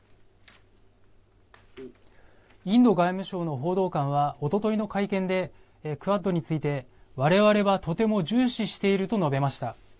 インド外務省の報道官は、おとといの会見で、クアッドについて、われわれはとても重視していると述べました。